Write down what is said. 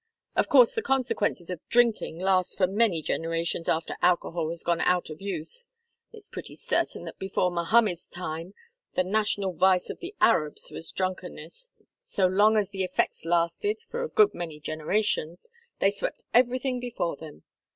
Of course, the consequences of drinking last for many generations after alcohol has gone out of use. It's pretty certain that before Mohammed's time the national vice of the Arabs was drunkenness. So long as the effects lasted for a good many generations they swept everything before them.